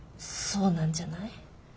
そうなんじゃない？